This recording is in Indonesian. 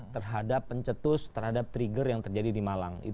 terhadap pencetus terhadap trigger yang terjadi di malang